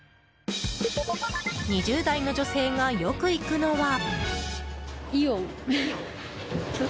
２０代の女性がよく行くのは。